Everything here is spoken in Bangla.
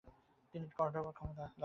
তিনি করডবার ক্ষমতা লাভ করেন।